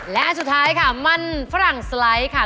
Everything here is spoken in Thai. และอันสุดท้ายค่ะมันฝรั่งสไลด์ค่ะ